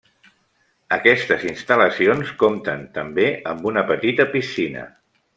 Aquestes instal·lacions compten també amb una petita piscina.